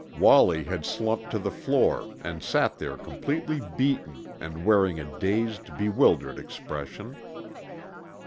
Wallie had slumped to the floor and sat there completely beaten and wearing a dazed, bewildered expression.